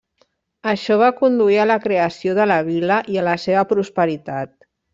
Això va conduir a la creació de la vila i a la seva prosperitat.